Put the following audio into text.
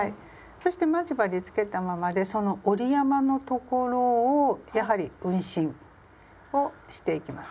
そして待ち針つけたままでその折り山の所をやはり運針をしていきます。